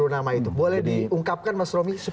sepuluh nama itu boleh diungkapkan mas romy